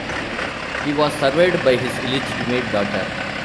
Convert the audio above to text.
He was survived by his illegitimate daughter.